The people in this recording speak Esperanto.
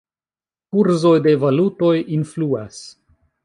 Kurzoj de valutoj influas.